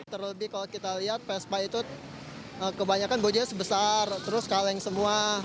terlebih kalau kita lihat vespa itu kebanyakan bojanya sebesar terus kaleng semua